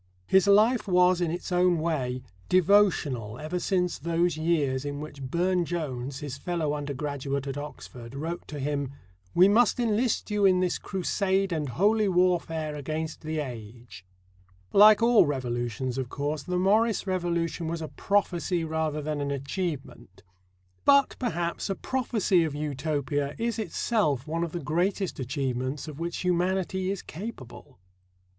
His life was, in its own way, devotional ever since those years in which Burne Jones, his fellow undergraduate at Oxford, wrote to him: "We must enlist you in this Crusade and Holy Warfare against the age." Like all revolutions, of course, the Morris revolution was a prophecy rather than an achievement. But, perhaps, a prophecy of Utopia is itself one of the greatest achievements of which humanity is capable.